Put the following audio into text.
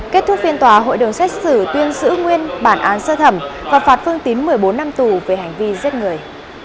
kết thúc phiên tòa hội đồng xét xử tuyên sử nguyên bản án xơ thẩm và phạt phương tín một mươi bốn năm tù về hành vi giết người